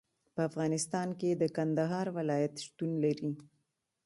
په افغانستان کې د کندهار ولایت شتون لري.